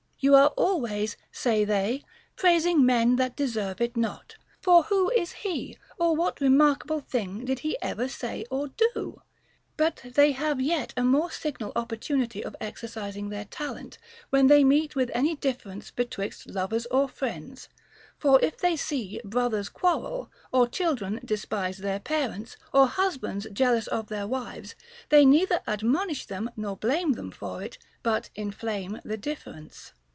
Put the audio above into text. You are always, say they, praising men that deserve it not ; for who is he, or what remarkable thing did he ever say or do ? But they have yet a more signal opportunity of exercising their talent, when they meet with any difference betwixt lovers or friends ; for if they see brothers quarrel, or children despise their parents, or husbands jealous of their wives, they neither admonish them nor blame them for it, but inflame the difference.